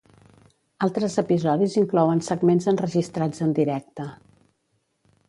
Altres episodis inclouen segments enregistrats en directe.